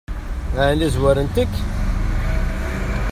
Ɛni zwarent-k?